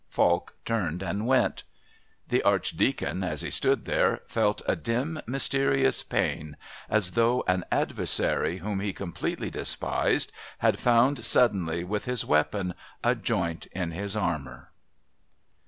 Falk turned and went. The Archdeacon, as he stood there, felt a dim mysterious pain as though an adversary whom he completely despised had found suddenly with his weapon a joint in his armour.